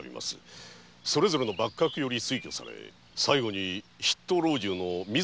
それぞれの幕閣より推挙され最後の筆頭老中の水野殿がご決断